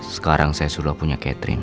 sekarang saya sudah punya catering